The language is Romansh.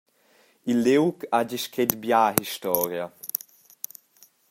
Il liug hagi scret bia historia.